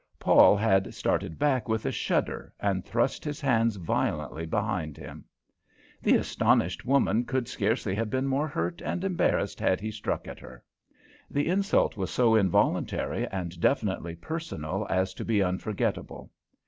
Paul had started back with a shudder and thrust his hands violently behind him. The astonished woman could scarcely have been more hurt and embarrassed had he struck at her. The insult was so involuntary and definitely personal as to be unforgettable.